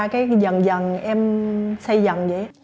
cái dần dần em xây dần vậy